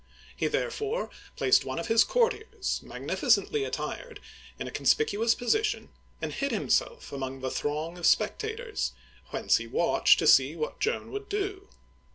He therefore placed one of his courtiers, magnificently attired, in a conspicuous position, and hid himself among the throng of spectators, whence he watched to see what Joan would do.